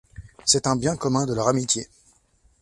C'est un bien commun de leur amitié.